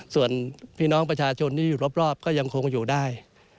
ส่วนพี่น้องประชาชนที่อยู่รอบก็ยังคงอยู่ได้